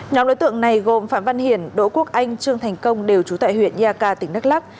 nhóm đối tượng này gồm phạm văn hiển đỗ quốc anh trương thành công đều trú tại huyện yaka tỉnh đắk lắc